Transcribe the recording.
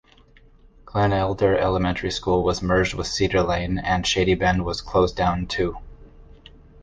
Glenelder Elementary School was merged with Cedarlane and Shadybend was closed down, too.